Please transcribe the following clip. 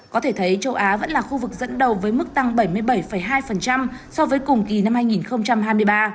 châu á vẫn là khu vực dẫn đầu với mức tăng bảy mươi bảy hai so với cùng kỳ năm hai nghìn hai mươi ba